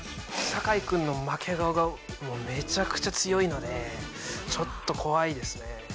酒井君の負け顔がメチャクチャ強いのでちょっと怖いですね